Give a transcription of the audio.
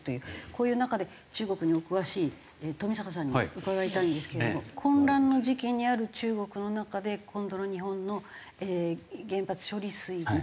こういう中で中国にお詳しい富坂さんに伺いたいんですけれども混乱の時期にある中国の中で今度の日本の原発処理水について非常に厳しい。